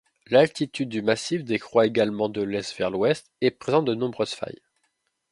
L'altitude du massif décroît également de l’est vers l'ouest et présente de nombreuses failles.